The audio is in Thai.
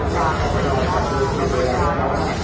แล้ว